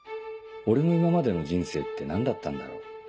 俺の今までの人生って何だったんだろう。